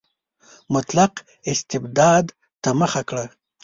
مطلق استبداد ته مخه کړه.